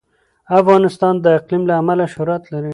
افغانستان د اقلیم له امله شهرت لري.